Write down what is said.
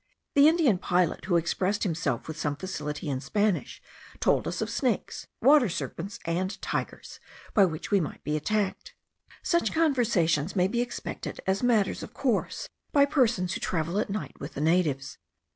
The Indian pilot, who expressed himself with some facility in Spanish, told us of snakes, water serpents, and tigers, by which we might be attacked. Such conversations may be expected as matters of course, by persons who travel at night with the natives.